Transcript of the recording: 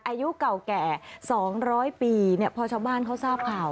อายุเก่าแก่๒๐๐ปีพอชาวบ้านเขาทราบข่าว